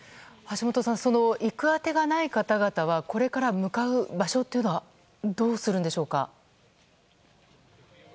橋本さん行く当てがない方々はこれから向かう場所というのはどうするんでしょうか。